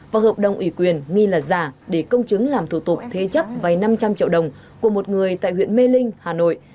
và hợp đồng ủy quyền nghi là giả để công chứng làm thủ tục thế chấp vay năm trăm linh triệu đồng của một người tại huyện mê linh hà nội